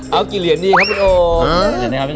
เอากี่เหรียญดีครับพี่อ้อ